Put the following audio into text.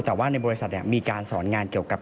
แต่ว่าในบริษัทมีการสอนงานเกี่ยวกับ